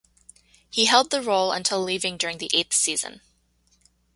He held the role until leaving during the eighth season.